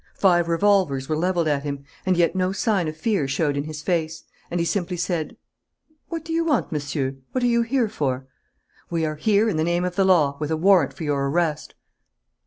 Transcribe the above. Five revolvers were levelled at him. And yet no sign of fear showed in his face; and he simply said: "What do you want, Monsieur? What are you here for?" "We are here in the name of the law, with a warrant for your arrest."